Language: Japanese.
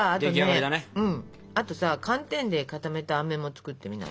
あとさ寒天で固めたあめも作ってみない？